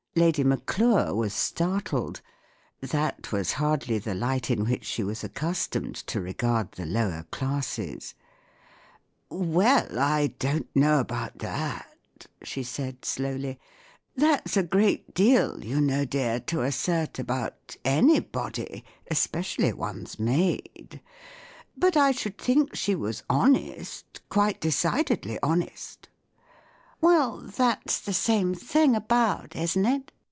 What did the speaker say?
" Lady Maclure was startled. That was hardly the light in which she was accustomed to regard the lower classes* 44 Well, I don't know about that," she said, slowly; " that's a great deal, you know, dear, to assert about any * body, especially one's maid, But I should think she w ? as honest, quite decidedly honest." " Well, that's the same thing, about, isn't it